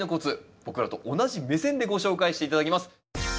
僕らと同じ目線でご紹介して頂きます。